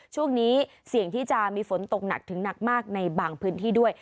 ช่วงนี้เสี่ยงที่จะมีฝนตกหนักถึงหนักมากในบางพื้นที่ด้วย